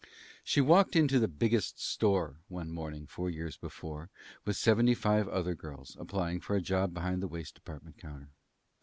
She walked into the Biggest Store one morning four years before with seventy five other girls, applying for a job behind the waist department counter.